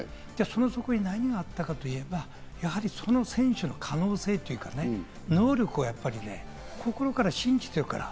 そこに何があったかといえば、やはり、その選手の可能性というか能力を心から信じているから。